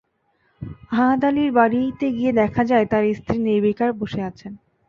আহাদ আলীর বাড়িতে গিয়ে দেখা যায়, তাঁর স্ত্রী নির্বিকার বসে আছেন।